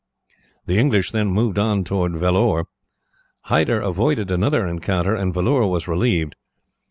The English then moved on towards Vellore. Hyder avoided another encounter, and Vellore was relieved.